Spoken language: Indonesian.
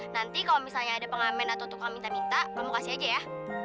nanti kalau misalnya ada pengamen atau tukang minta minta kamu kasih aja ya